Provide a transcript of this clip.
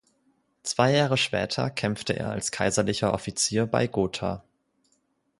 Zwei Jahre später kämpfte er als kaiserlicher Offizier bei Gotha.